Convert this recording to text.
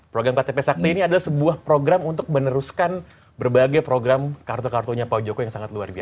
program ktp sakti ini adalah sebuah program untuk meneruskan berbagai program kartu kartunya pak ojo ko yang sangat luar biasa